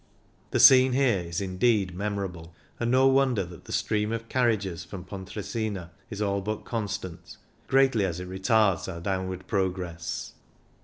The scene here is indeed memorable, and no wonder that the stream of carriages from Pontre sina is all but constant, greatly as it retards our downward progress.